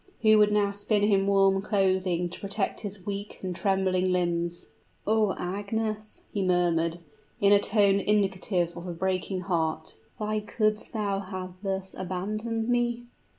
who would now spin him warm clothing to protect his weak and trembling limbs? "Oh! Agnes," he murmured, in a tone indicative of a breaking heart, "why couldst thou have thus abandoned me?